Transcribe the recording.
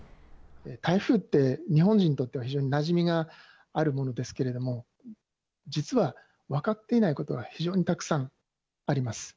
台風って日本人にとっては非常になじみがあるものですけれども、実は分かっていないことは非常にたくさんあります。